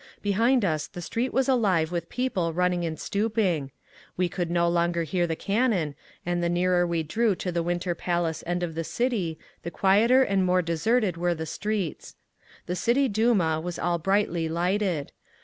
Behind us the street was alive with people running and stooping. We could no longer hear the cannon, and the nearer we drew to the Winter Palace end of the city the quieter and more deserted were the streets. The City Duma was all brightly lighted.